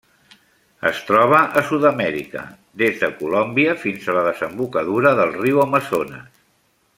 Es troba a Sud-amèrica: des de Colòmbia fins a la desembocadura del riu Amazones.